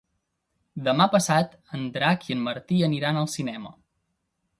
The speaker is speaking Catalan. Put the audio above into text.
Demà passat en Drac i en Martí aniran al cinema.